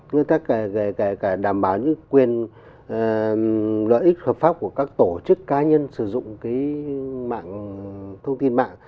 người ta đảm bảo những quyền lợi ích hợp pháp của các tổ chức cá nhân sử dụng cái mạng thông tin mạng